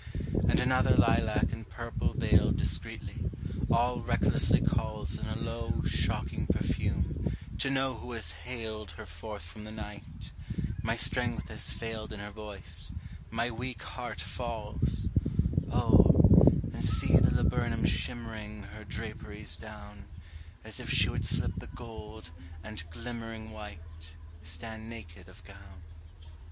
And another lilac in purple veiled Discreetly, all recklessly calls In a low, shocking perfume, to know who has hailed Her forth from the night: my strength has failed In her voice, my weak heart falls: Oh, and see the laburnum shimmering Her draperies down, As if she would slip the gold, and glimmering White, stand naked of gown.